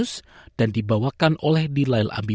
untuk mendukung orang orang di sekitar anak muda